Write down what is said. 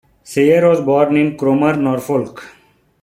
Sayer was born in Cromer, Norfolk.